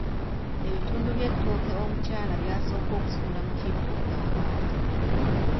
Ebitundu by'ettooke omulyala byasooka okusuula mu kibbo ng’awaata.